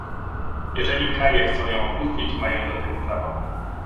Jeżeli kraje chcą ją opuścić, mają do tego prawo